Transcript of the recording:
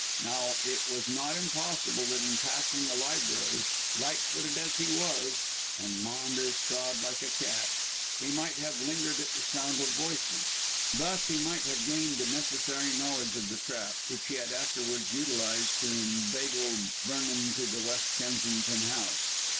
Now, it was not impossible that in passing the library, light footed as he was (and Maunders trod like a cat), he might have lingered at the sound of voices. Thus he might have gained the necessary knowledge of the trap, which he had afterwards utilized to inveigle Vernon to the West Kensington house.